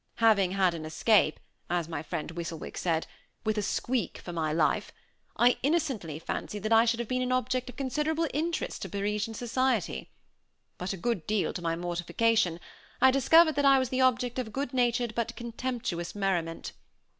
Having had an escape, as my friend Whistlewick said, "with a squeak" for my life, I innocently fancied that I should have been an object of considerable interest to Parisian society; but, a good deal to my mortification, I discovered that I was the object of a good natured but contemptuous merriment.